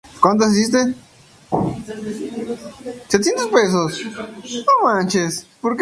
A partir del sexto semestre, acceden a la clínica integral.